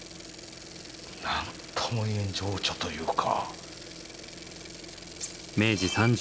何とも言えん情緒というか。